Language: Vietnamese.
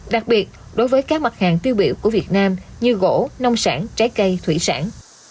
đặc biệt đối với các mặt hàng tiêu biểu của việt nam như gỗ nông sản trái cây thủy sản